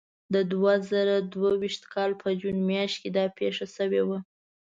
د دوه زره دوه ویشتم کال په جون میاشت کې دا پېښه شوې وه.